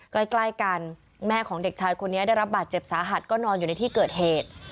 ใกล้กันแม่ของเด็กชายคนนี้ได้รับบาดเจ็บสาหัสก็นอนอยู่ในที่เกิดเหตุ